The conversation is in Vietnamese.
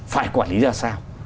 phải quản lý ra sao